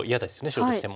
白としても。